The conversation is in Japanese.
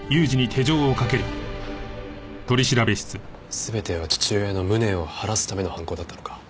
全ては父親の無念を晴らすための犯行だったのか？